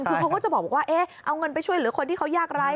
คือเขาก็จะบอกว่าเอาเงินไปช่วยเหลือคนที่เขายากไร้